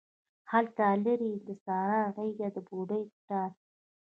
هلته لیرې د سارا غیږ د بوډۍ ټال